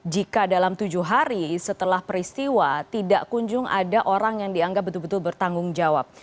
jika dalam tujuh hari setelah peristiwa tidak kunjung ada orang yang dianggap betul betul bertanggung jawab